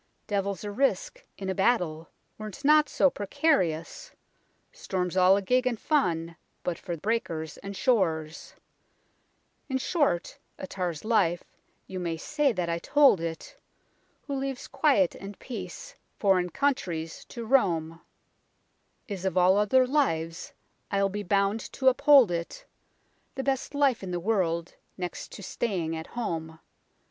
Devil a risk's in a battle, were't not so precarious ; Storms are all gig and fun, but for breakers and shores ; In short, a tar's life you may say that I told it Who leaves quiet and peace, foreign countries to roam, n6 UNKNOWN LONDON Is, of all other lives, I'll be bound to uphold it, The best life in the world, next to staying at home.